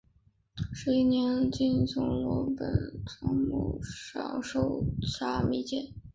十一年从经师罗卜桑札木养受沙弥戒。